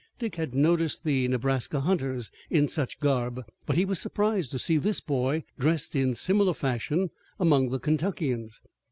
Dick had noticed the Nebraska hunters in such garb, but he was surprised to see this boy dressed in similar fashion among the Kentuckians.